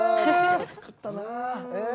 作ったな。